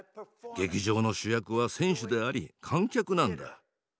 劇場の主役は選手であり観客なんだ。